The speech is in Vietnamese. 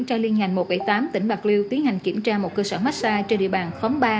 tỉnh bạc liêu tiến hành kiểm tra một cơ sở massage trên địa bàn khóm ba